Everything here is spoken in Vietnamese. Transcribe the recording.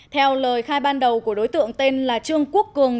theo lời khai ban đầu của đối tượng tên là trương quốc cường